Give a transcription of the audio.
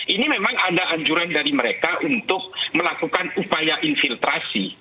ini memang ada anjuran dari mereka untuk melakukan upaya infiltrasi